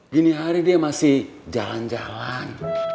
gini hari dia masih jalan jalan